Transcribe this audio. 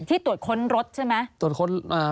ที่ตรวจค้นรถใช่ไหม